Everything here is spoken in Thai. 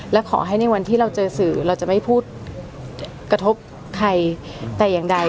และขอให้ในวันที่เราเจอสื่อเราจะไม่พูดกระทบใครแต่อย่างใด